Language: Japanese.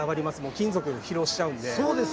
金属で疲労しちゃうので。